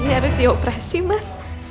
tingnya harus dioperasi mas